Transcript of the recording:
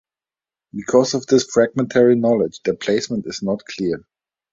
Because of this fragmentary knowledge their placement is not clear.